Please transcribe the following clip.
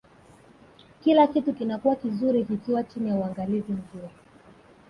kila kitu kinakuwa vizuri kikiwa chini ya uangalizi mzuri